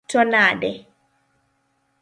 To nade?